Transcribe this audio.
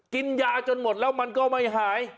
กินยาจนหมดแล้วมันก็ไม่หาย